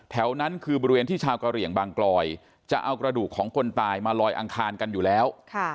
แถวนั้นคือบริเวณที่ชาวกะเหลี่ยงบางกลอยจะเอากระดูกของคนตายมาลอยอังคารกันอยู่แล้ว